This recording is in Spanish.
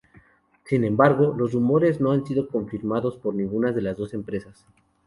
Sin embargo, los rumores no han sido confirmados por ninguna de las dos empresas.